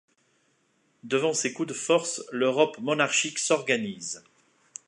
Devant ces coups de force, l'Europe monarchique s'organise.